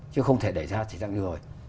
chứ không thể để ra trái trạng như vừa rồi